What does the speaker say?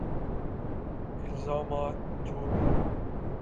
الزامات جو بھی ہوں۔